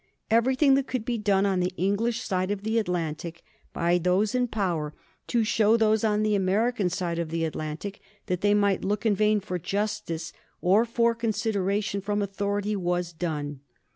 Everything that could be done on the English side of the Atlantic by those in power to show those on the American side of the Atlantic that they might look in vain for justice or for consideration from authority was done.